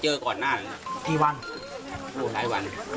หลายวัน